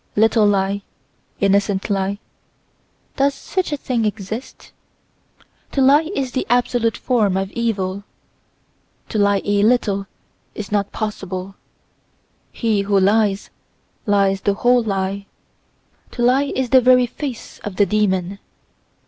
Little lie, innocent lie—does such a thing exist? To lie is the absolute form of evil. To lie a little is not possible: he who lies, lies the whole lie. To lie is the very face of the demon.